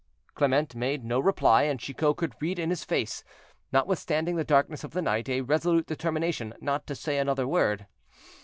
Clement made no reply, and Chicot could read in his face, notwithstanding the darkness of the night, a resolute determination not to say another word.